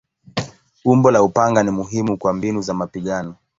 Umbo la upanga ni muhimu kwa mbinu za mapigano.